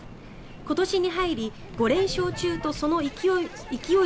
今年に入り５連勝中とその勢い